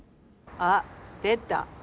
あっ出た。